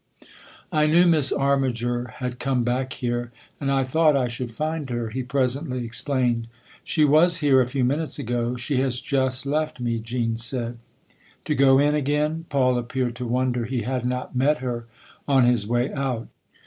" I knew Miss Armiger had come back here, and I thought I should find her," he presently ex plained. " She was here a few minutes ago she has just left me," Jean said. " To go in again ?" Paul appeared to wonder he had not met her on his way out.